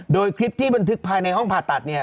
โดยคลิปที่บันทึกภายในห้องผ่าตัดเนี่ย